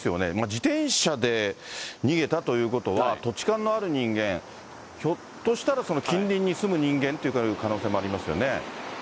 自転車で逃げたということは、土地勘のある人間、ひょっとしたら近隣に住む人間という可能性もありますよね。